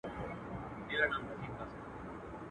شپه او ورځ یې پر خپل ځان باندي یوه کړه.